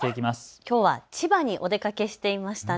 きょうは千葉にお出かけしていましたね。